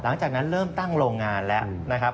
หลังจากนั้นเริ่มตั้งโรงงานแล้วนะครับ